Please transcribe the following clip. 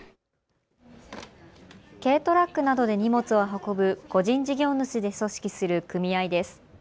軽トラックなどで荷物を運ぶ個人事業主で組織する組合です。